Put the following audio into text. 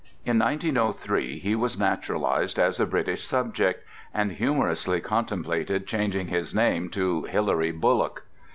In 1903 he was naturalized as a British subject, and humorously contemplated changing his name to "Hilary Bullock."